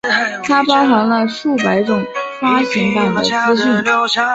它包含了数百种发行版的资讯。